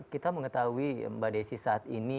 kita mengetahui mbak desi saat ini